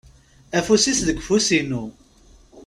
Afus-is deg ufus-inu.